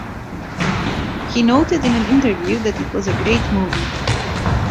He noted in an interview that it was a great movie.